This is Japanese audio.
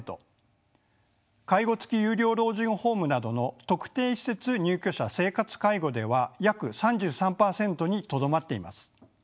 介護つき有料老人ホームなどの特定施設入居者生活介護では約３３％にとどまっています。